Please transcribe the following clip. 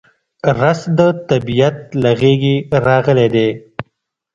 رس د طبیعت له غېږې راغلی دی